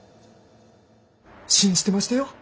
信じてましたよ。